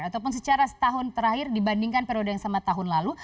ataupun secara setahun terakhir dibandingkan periode yang sama tahun lalu